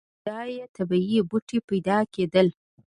په دې سیمه کې بډایه طبیعي بوټي پیدا کېدل.